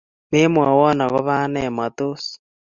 memwowon agoba anee, matos?